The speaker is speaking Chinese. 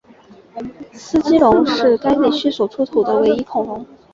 斯基龙是该地区所出土的唯一恐龙。